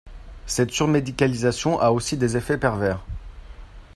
Cette surmédicalisation a aussi des effets pervers.